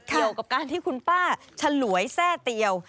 เกี่ยวกับการที่คุณป้าฉลวยแทร่เตียว